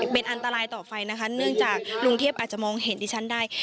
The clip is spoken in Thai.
เป็นอันตรายต่อไฟนะคะเนื่องจากลุงเทพอาจจะมองเห็นดิฉันได้